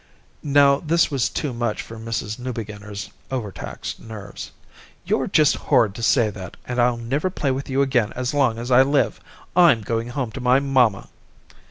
Now this was too much for Mrs. Newbeginner's overtaxed nerves. "You're just horrid to say that and I'll never play with you again as long as I live. I'm going home to my mamma."